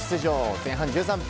前半１３分